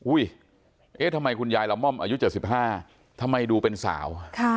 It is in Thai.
เอ๊ะทำไมคุณยายละม่อมอายุ๗๕ทำไมดูเป็นสาว